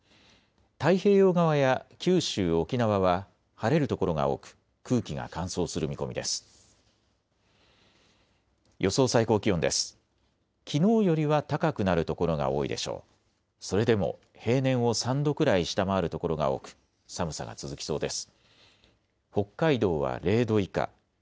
太平洋側や九州、沖縄は晴れる所が多く空気が乾燥する見込みです。